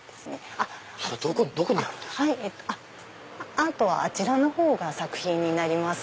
アートはあちらのほうが作品になります。